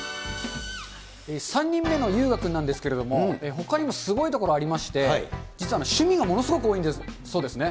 ３人目の悠雅君なんですけれども、ほかにもすごいことがありまして、実は趣味がものすごく多いんだそうですね。